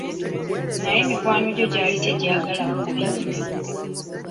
Naye mikwano gye gyali tegyagala kulinda.